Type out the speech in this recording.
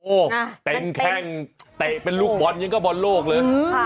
โอ้โหเต็มแข้งเตะเป็นลูกบอลยังก็บอลโลกเลย